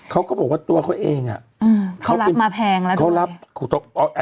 เขาก็บอกว่าตัวเขาเองอ่ะเขารับมาแพงหรือปะ